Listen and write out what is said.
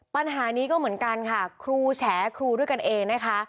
ปัญหานี้ก็เหมือนกันค่ะครูแฉครูด้วยกันเองนะคะ